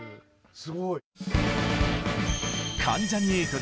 すごい。